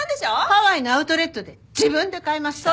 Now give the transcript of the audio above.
ハワイのアウトレットで自分で買いました！